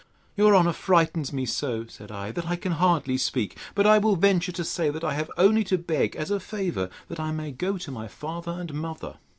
—Your honour frights me so, said I, that I can hardly speak: But I will venture to say, that I have only to beg, as a favour, that I may go to my father and mother.